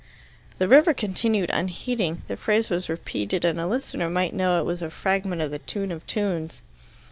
The river continued unheeding. The phrase was repeated and a listener might know it was a fragment of the Tune of tunes.